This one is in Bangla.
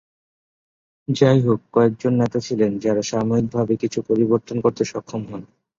যাইহোক, কয়েকজন নেতা ছিলেন যারা সাময়িকভাবে কিছু পরিবর্তন করতে সক্ষম হন।